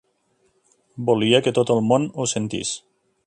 Volia que tot el món ho sentís.